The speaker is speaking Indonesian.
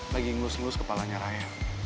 lagi ngelus ngelus kepalanya raya